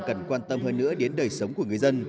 cần quan tâm hơn nữa đến đời sống của người dân